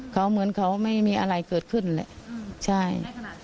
เขาเหมือนเขาไม่มีอะไรเกิดขึ้นแหละในขณะที่คุณมงคลตอนนั้นอยู่ไหน